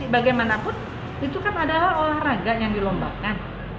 bagaimanapun itu kan adalah olahraga yang dilombakan